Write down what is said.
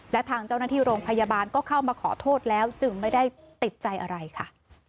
และทางเจ้าหน้าที่โรงพยาบาลก็เข้ามาขอโทษแล้วจึงไม่ได้ติดใจอะไรค่ะ